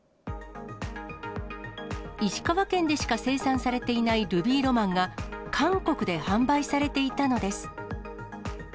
石川県でしか生産されていないルビーロマンが、韓国で販売されていたのです。